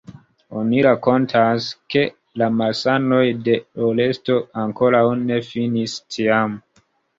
Oni rakontas ke la malsanoj de Oresto ankoraŭ ne finis tiam.